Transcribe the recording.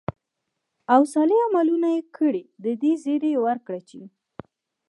او صالح عملونه ئې كړي، د دې زېرى وركړه چې: